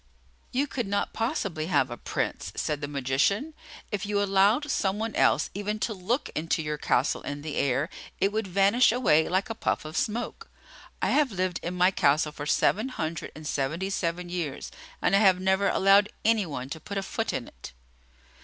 "You could not possibly have a Prince," said the magician. "If you allowed some one else even to look into your castle in the air, it would vanish away like a puff of smoke. I have lived in my castle for seven hundred and seventy seven years, and I have never allowed any one to put a foot in it."